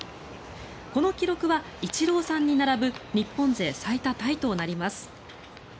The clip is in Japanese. この記録はイチローさんに並ぶ日本勢最多タイとなります。